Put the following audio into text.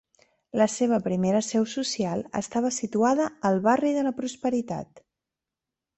La seva primera seu social estava situada al barri de la Prosperitat.